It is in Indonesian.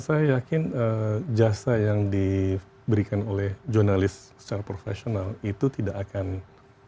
saya yakin jasa yang diberikan oleh jurnalis secara profesional itu tidak akan